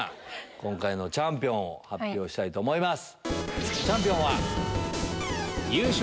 今回のチャンピオンを発表したいと思います。